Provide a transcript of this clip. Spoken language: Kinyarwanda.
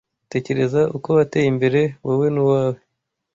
Tekereza uko wateye imbere, wowe n'uwawe